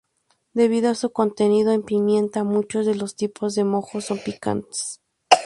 Debido a su contenido en pimienta, muchos de los tipos de mojos son picantes.